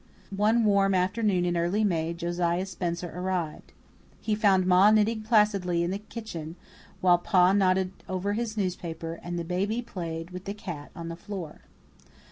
One warm afternoon in early May Josiah Spencer arrived. He found Ma knitting placidly in the kitchen, while Pa nodded over his newspaper and the baby played with the cat on the floor.